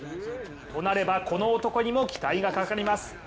となれば、この男にも期待がかかります。